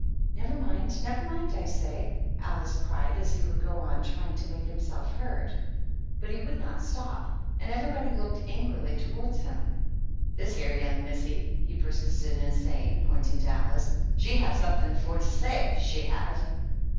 "Never mind! Never mindy I say!" Alice cried, as he would go on trying to make himself heard. But he would not stop, and everybody looked angrily towards him. " This here young missy," he persisted in say ing, pointing to Alice, "she have something for to say, she have."